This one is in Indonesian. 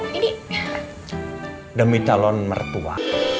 ini demi talon mertua